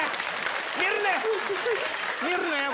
見るなよ！